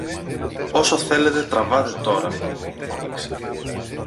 Όσο θέλετε τραβάτε τώρα! φώναξε.